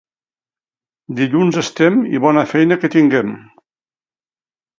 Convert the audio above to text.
Dilluns estem i bona feina que tinguem.